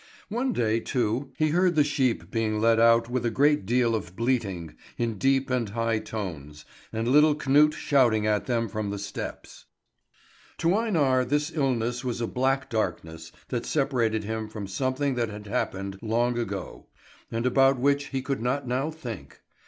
One day, too, he heard the sheep being let out with a great deal of bleating in deep and high tones, and little Knut shouting at them from the steps. To Einar this illness was a black darkness that separated him from something that had happened long ago, and about which he could not now think.